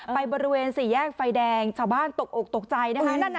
บริเวณสี่แยกไฟแดงชาวบ้านตกอกตกใจนะคะ